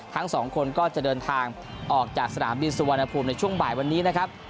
ทั้งสองคนก็จะเดินทางออกจากสนามบินสุวรรณภูมิในช่วงบ่ายวันนี้นะครับ